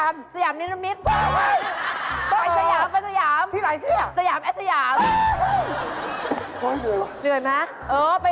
ไม่เวิร์กละอย่างนี้เจ๊ไป